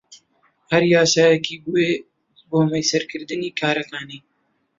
هەر یاسایەکی بوێ بۆ مەیسەرکردنی کارەکانی